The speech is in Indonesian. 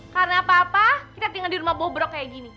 karena papa kita tinggal di rumah bobrok kayak gini